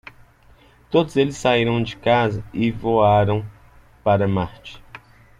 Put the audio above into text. Todos eles saíram de casa e voaram para Marte.